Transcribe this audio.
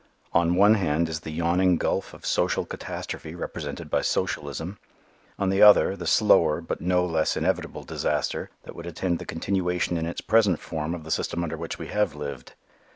On one hand is the yawning gulf of social catastrophe represented by socialism. On the other, the slower, but no less inevitable disaster that would attend the continuation in its present form of the system under which we have lived.